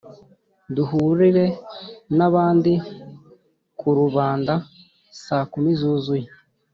duhurire n’abandi ku karubanda saa kumi zuzuye.